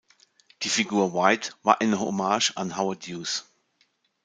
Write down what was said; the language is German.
Die Figur Whyte war eine Hommage an Howard Hughes.